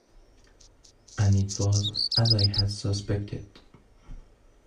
And it was as I had suspected.